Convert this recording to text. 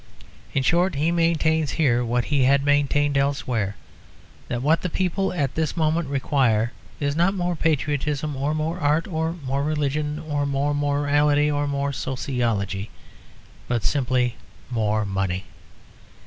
In short, he maintains here what he had maintained elsewhere: that what the people at this moment require is not more patriotism or more art or more religion or more morality or more sociology, but simply more money.